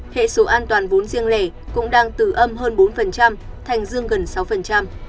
hệ số an toàn vốn riêng lẻ cũng đang từ âm hơn bốn thành dương gần sáu